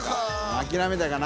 諦めたかな。